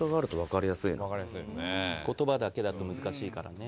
言葉だけだと難しいからね。